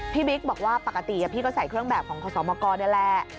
บิ๊กบอกว่าปกติพี่ก็ใส่เครื่องแบบของขอสมกรนี่แหละ